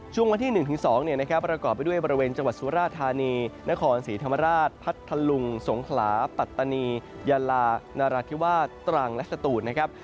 วันที่๑๒ประกอบไปด้วยบริเวณจังหวัดสุราธานีนครศรีธรรมราชพัทธลุงสงขลาปัตตานียาลานราธิวาสตรังและสตูนนะครับ